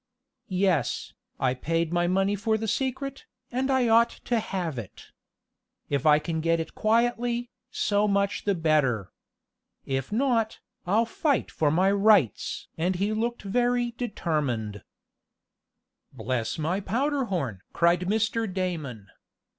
"Yes, I paid my money for the secret, and I ought to have it. If I can get it quietly, so much the better. If not, I'll fight for my rights!" and he looked very determined. "Bless my powder horn!" cried Mr. Damon.